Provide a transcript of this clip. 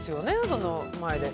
その前で。